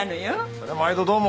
そりゃ毎度どうも。